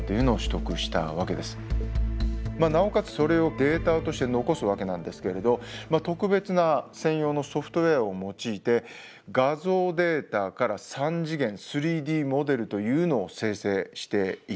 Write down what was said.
まあなおかつそれをデータとして残すわけなんですけれど特別な専用のソフトウエアを用いて画像データから３次元３Ｄモデルというのを生成していきました。